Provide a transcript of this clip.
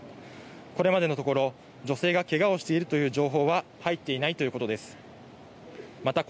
これまでのところ女性がけがをしているという情報は入っていないということです。